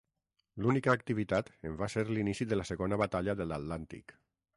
L'única activitat en va ser l'inici de la Segona Batalla de l'Atlàntic.